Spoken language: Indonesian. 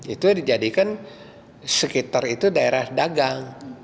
itu dijadikan sekitar itu daerah dagang